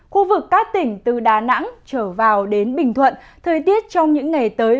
khu vực các tỉnh từ đà nẵng trở vào đến bình thuận thời tiết trong những ngày tới